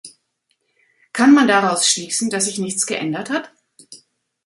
Kann man daraus schließen, dass sich nichts geändert hat?